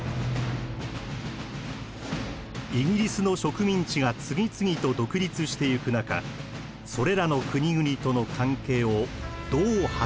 イギリスの植民地が次々と独立してゆく中それらの国々との関係をどう発展させていくか。